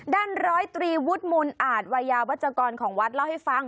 ร้อยตรีวุฒิมูลอาจวัยยาวัชกรของวัดเล่าให้ฟัง